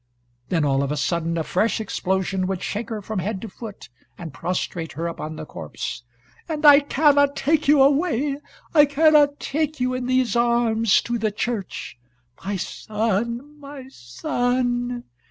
Then, all of a sudden, a fresh explosion would shake her from head to foot, and prostrate her upon the corpse. "And I cannot take you away! I cannot take you in these arms to the church! My son! My son!"